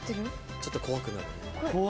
・ちょっと怖くなるね。